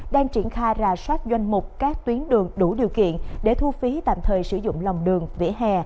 đang triển khai rà soát danh mục các tuyến đường đủ điều kiện để thu phí tạm thời sử dụng lòng đường vỉa hè